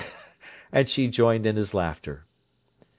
And she joined in his laughter.